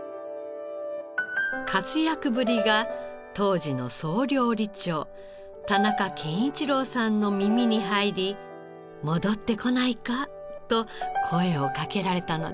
活躍ぶりが当時の総料理長田中健一郎さんの耳に入り「戻ってこないか」と声をかけられたのです。